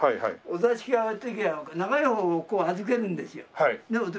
お座敷へ上がる時は長い方を預けるんですよ。